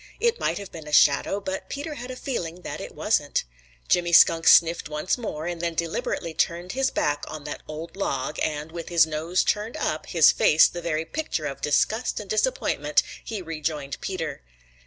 It might have been a shadow, but Peter had a feeling that it wasn't. Jimmy Skunk sniffed once more and then deliberately turned his back on that old log, and with his nose turned up, his face the very picture of disgust and disappointment, he rejoined Peter.